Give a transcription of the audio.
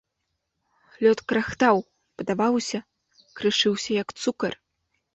Лёд крахтаў, падаваўся, крышыўся як цукар.